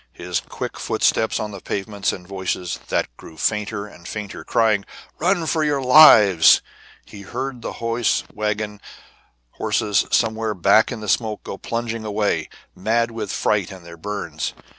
He heard quick footsteps on the pavements, and voices, that grew fainter and fainter, crying: "Run for your lives!" He heard the hose wagon horses somewhere back in the smoke go plunging away, mad with fright and their burns.